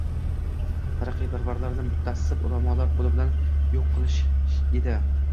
taraqqiyparvarlarni mutaassib ulamolar qo'li bilan yo'q qilish edi.